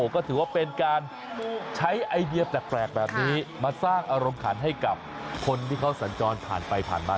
ก็ถือว่าเป็นการใช้ไอเดียแปลกแบบนี้มาสร้างอารมณ์ขันให้กับคนที่เขาสัญจรผ่านไปผ่านมา